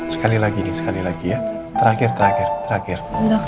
sekali lagi nih sekali lagi ya terakhir terakhir terakhir